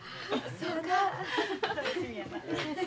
そうか。